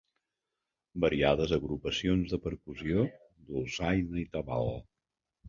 Variades agrupacions de percussió, dolçaina i tabal.